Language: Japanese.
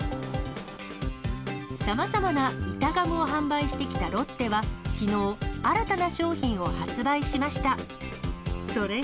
さまざまな板ガムを販売してきたロッテは、きのう新たな商品を発売しました。